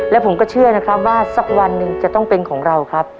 และผมก็เชื่อนะครับว่าสักวันหนึ่งจะต้องเป็นของเราครับ